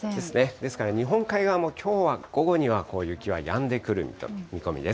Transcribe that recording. ですから日本海側もきょうは午後には雪はやんでくる見込みです。